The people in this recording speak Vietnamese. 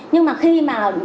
nhưng mà khi mà